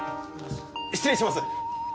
失礼します！